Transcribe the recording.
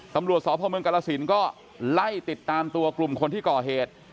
ตำรวจสพเมืองกรสินก็ไล่ติดตามตัวกลุ่มคนที่ก่อเหตุ